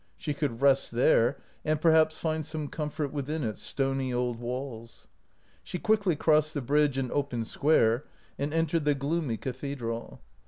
She could rest there and perhaps find some comfort within its stony old walls. She quickly crossed the bridge and open square and entered the gloomy cathedral.